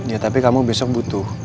ya tapi kamu besok butuh